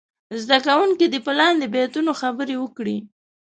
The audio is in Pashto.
زده کوونکي دې په لاندې بیتونو خبرې وکړي.